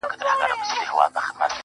جـنــگ له فريادي ســــره.